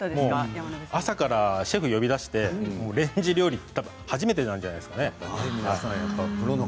シェフを呼び出してレンジ料理初めてじゃないですかね。